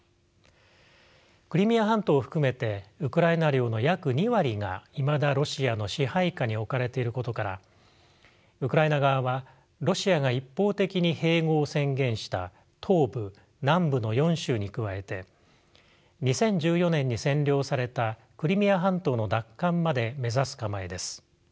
クリミア半島を含めてウクライナ領の約２割がいまだロシアの支配下に置かれていることからウクライナ側はロシアが一方的に「併合」を宣言した東部南部の４州に加えて２０１４年に占領されたクリミア半島の奪還まで目指す構えです。